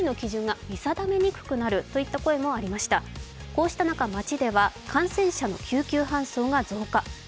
こうした中、街では感染者の救急搬送が増加。